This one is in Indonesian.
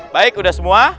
baik udah semua